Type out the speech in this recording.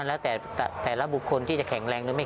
เพราะถ้าไม่ฉีดก็ไม่ได้